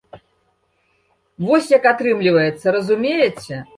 Вось, як атрымліваецца, разумееце?